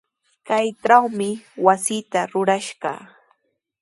Kaytrawmi wasita rurashaq.